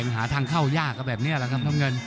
มันหาทางเข้ายากก็แบบนี้ล่ะครับท่ำเงิน